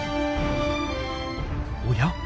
おや？